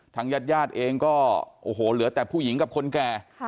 ญาติญาติเองก็โอ้โหเหลือแต่ผู้หญิงกับคนแก่